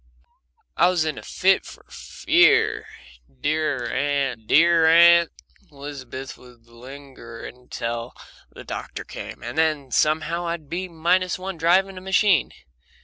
I was in a fit for fear dear Aunt Elizabeth would linger around till the doctor came, and then somehow I'd be minus one drive in a machine.